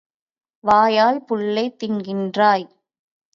வாயால் புல்லைத் தின்கின்றாய்.